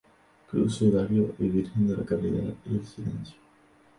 Cruz Sudario y Virgen de la Caridad y el Silencio.